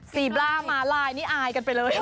บล่าม้าลายนี่อายกันไปเลย